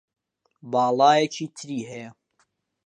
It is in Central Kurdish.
باڵایەکی تری هەیە